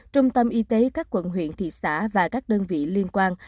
trung tâm y tế các quận huyện thị xã và các đơn vị liên quan